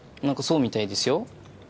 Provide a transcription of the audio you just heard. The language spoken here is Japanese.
なんかそうみたいですよ。